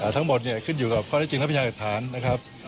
ทั้งหมดเนี่ยขึ้นอยู่กับข้อได้จริงและพยานหลักฐานนะครับ